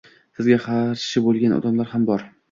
sizga qarshi bo‘lgan odamlar ham bor.